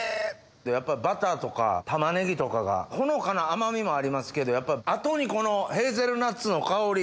やっぱバターとか玉ねぎとかがほのかな甘みもありますけど後にこのヘーゼルナッツの香り。